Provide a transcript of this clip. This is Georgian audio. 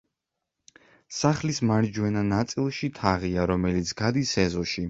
სახლის მარჯვენა ნაწილში თაღია, რომელიც გადის ეზოში.